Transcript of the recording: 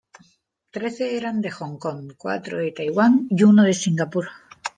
Trece eran de Hong Kong, cuatro de Taiwán y uno de Singapur.